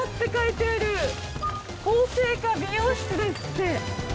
厚生課美容室ですって。